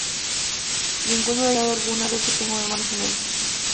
Ninguno de ellos ha pensado alguna vez que tenga un hermano gemelo.